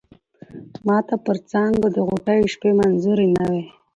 ماته پر څانگو د غوټیو شپې منظوری نه وې